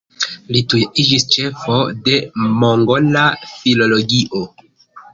Li tuj iĝis ĉefo de mongola filologio.